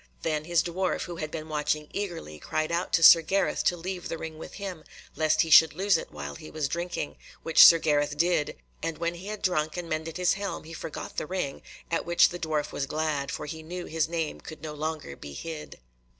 Then his dwarf who had been watching eagerly, cried out to Sir Gareth to leave the ring with him, lest he should lose it while he was drinking, which Sir Gareth did; and when he had drunk and mended his helm he forgot the ring, at which the dwarf was glad, for he knew his name could no longer be hid.